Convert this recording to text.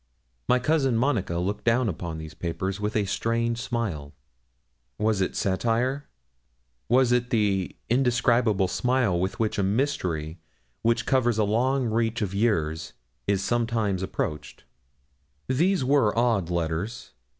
My cousin Monica looked down upon these papers with a strange smile; was it satire was it that indescribable smile with which a mystery which covers a long reach of years is sometimes approached? These were odd letters.